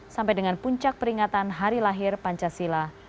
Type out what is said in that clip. sampai dengan puncak peringatan hari lahir pancasila